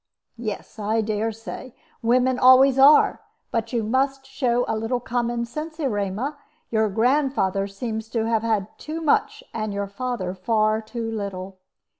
"Yes, I dare say. Women always are. But you must show a little common sense, Erema. Your grandfather seems to have had too much, and your father far too little.